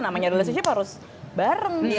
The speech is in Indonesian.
namanya relationship harus bareng